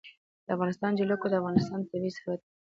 د افغانستان جلکو د افغانستان طبعي ثروت دی.